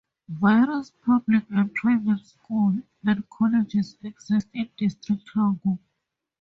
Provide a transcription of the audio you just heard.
Various public and private school and colleges exists in district hangu.